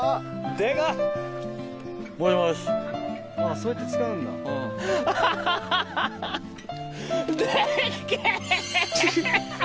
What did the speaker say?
・そうやって使うんだ・ハハハハ！